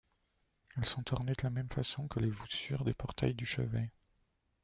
Elles sont ornées de la même façon que les voussures des portails du chevet.